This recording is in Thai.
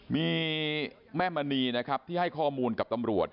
มีแม่มณีที่ให้ข้อมูลกับตำรวจ